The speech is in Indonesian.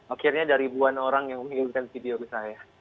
akhirnya ada ribuan orang yang mengirimkan video ke saya